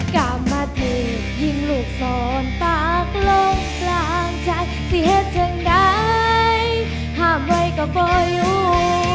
กล้ามมาทิ้งยิงลูกสอนตากลงกลางชัยสิเหตุเฉินใดห้ามไว้ก็ปล่อยอยู่